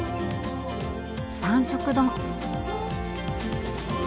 三色丼！